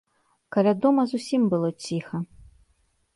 Каля дома зусім было ціха.